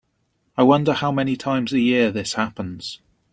I wonder how many times a year this happens.